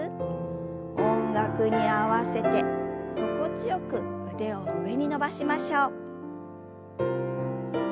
音楽に合わせて心地よく腕を上に伸ばしましょう。